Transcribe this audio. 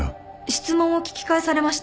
質問を聞き返されました。